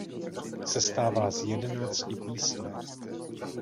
Sestává z jedenácti písní.